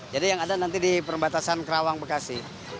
jadi yang ada nanti di perbatasan karawang bekasi